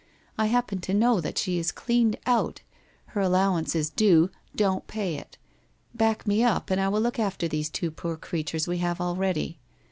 I happen to know that she is cleaned out. Her allowance is due. Don't pay it. Back me up and I will look after these two poor creatures we have already.